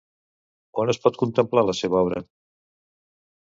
On es pot contemplar la seva obra?